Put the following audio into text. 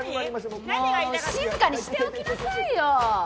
もう静かにしておきなさいよ！